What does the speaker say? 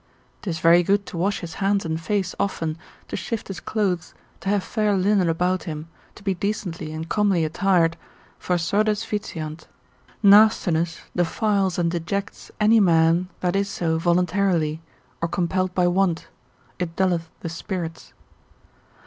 'Tis very good to wash his hands and face often, to shift his clothes, to have fair linen about him, to be decently and comely attired, for sordes vitiant, nastiness defiles and dejects any man that is so voluntarily, or compelled by want, it dulleth the spirits.